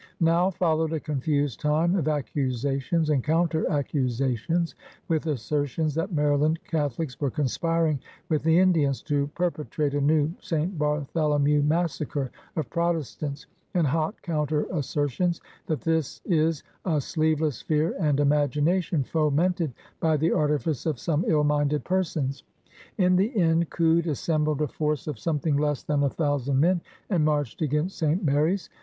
" Now followed a confused time of ac cusations and counter accusations, with assertions that Maryland Catholics were conspiring with the Indians to perpetrate a new St. Bartholomew massacre of Protestants, and hot coimter asser tions that this is "a sleveless fear and imagination fomented by the artifice of some ill minded per sons." In the end Coode assembled a force of REBELLION AND CHANGE 195 something less than a thousand men and marched against St. Mary's.